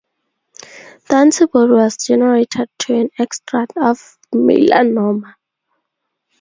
The antibody was generated to an extract of melanoma.